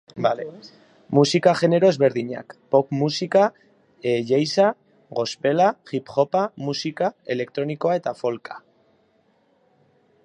Musika genero ezberdinak: Pop musika, jazza, gospela, hip hopa, musika elektronikoa eta folka.